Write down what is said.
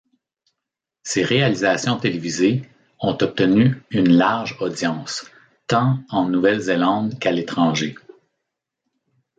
Ses réalisations télévisées ont obtenu une large audience, tant en Nouvelle-Zélande qu'à l'étranger.